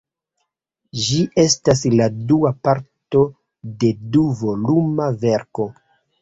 Ĝi estas la dua parto de du-voluma verko.